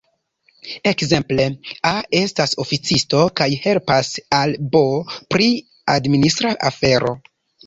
Ekzemple, A estas oficisto kaj helpas al B pri administra afero.